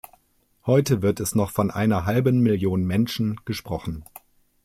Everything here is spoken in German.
Heute wird es noch von einer halben Million Menschen gesprochen.